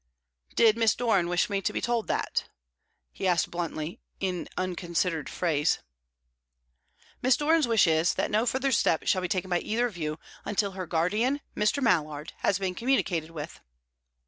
"Did Miss Doran wish me to be told that?" he asked, bluntly, in unconsidered phrase. "Miss Doran's wish is, that no further step shall be taken by either of you until her guardian, Mr. Mallard, has been communicated with."